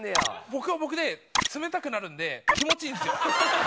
僕も僕で冷たくなるんで気持ちいいんですよ。